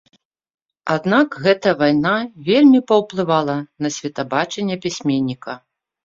Аднак гэтая вайна вельмі паўплывала на светабачанне пісьменніка.